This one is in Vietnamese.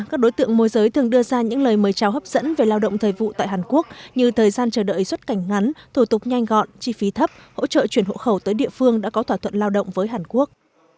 các đối tượng môi giới thường đưa ra những lời mời chào hấp dẫn về lao động thời vụ tại hàn quốc như thời gian chờ đợi xuất cảnh ngắn thủ tục nhanh gọn chi phí thấp hỗ trợ chuyển hộ khẩu tới địa phương đã có thỏa thuận lao động với hàn quốc